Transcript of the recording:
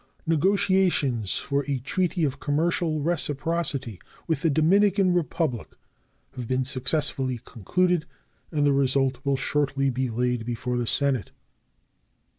Negotiations for a treaty of commercial reciprocity with the Dominican Republic have been successfully concluded, and the result will shortly be laid before the Senate.